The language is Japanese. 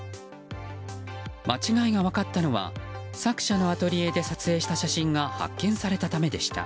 間違いが分かったのは作者のアトリエで撮影された写真が発見されたためでした。